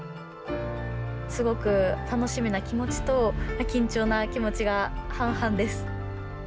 すごく楽しみな気持ちと緊張な気持ちが半々です。